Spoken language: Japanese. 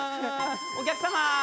お客様！